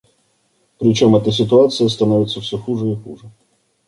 Причем эта ситуация становится все хуже и хуже.